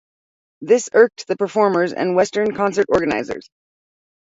This irked the performers and Western concert organisers.